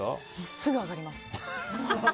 すぐ上がります！